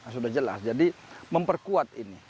sudah jelas jadi memperkuat ini